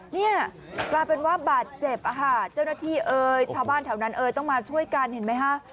เนี่ยกลายเป็นว่าบาดเจ็บอ่ะค่ะเจ้าหน้าที่เอ่ยชาวบ้านแถวนั้นเอ่ยต้องมาช่วยกันเห็นไหมฮะ